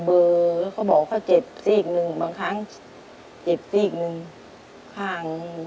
เบอร์เขาบอกว่าเขาเจ็บซีกหนึ่งบางครั้งเจ็บซีกหนึ่งข้าง